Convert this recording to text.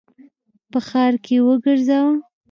په ښار کي یې وګرځوه !